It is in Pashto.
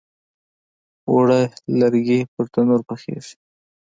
اوړه د لرګي پر تنور پخیږي